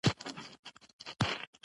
مېلې د ټولني د مثبت فکر ښکارندویي کوي.